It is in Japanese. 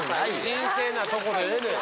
神聖なとこでええねん。